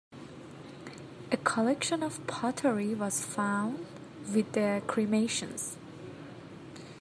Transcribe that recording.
A collection of pottery was found with the cremations.